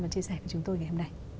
và chia sẻ với chúng tôi ngày hôm nay